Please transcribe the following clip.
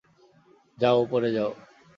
যাও, উপরে যাও।